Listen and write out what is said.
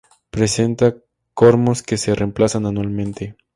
Presenta cormos que se reemplazan anualmente.